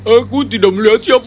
aku tidak melihat siapapun